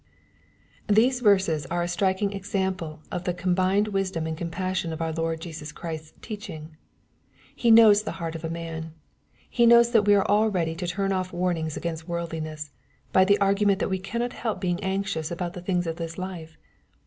These verses are a s triking example of the combined wisdom and compassion of our Lord Jesus Christ's teach ing. He knows the heart of a man. He knows tbat we are all ready to turn off warnings against worldliness, by the argument that we cannot help being anxious nbout the things of this life.